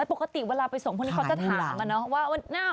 แล้วอะปกติเวลาไปส่งคนอย่างนี้เขาจะถามเอาไหม